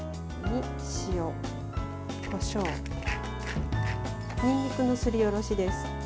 塩、こしょうにんにくのすりおろしです。